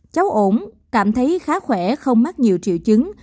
cháu ổn cảm thấy khá khỏe không mắc nhiều triệu chứng